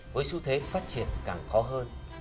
với xu thế phát triển càng khó hơn